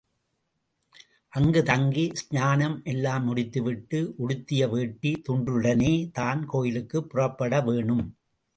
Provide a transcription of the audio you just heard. அங்கு தங்கி, ஸ்நானம் எல்லாம் முடித்து விட்டு, உடுத்திய வேட்டி துண்டுடனே தான் கோயிலுக்கு புறப்பட வேணும்.